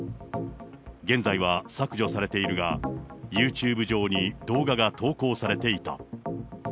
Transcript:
現在は削除されているが、ユーチューブ上に動画が投稿されていた。